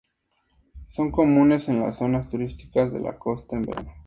Son comunes en las zonas turísticas de la costa en verano.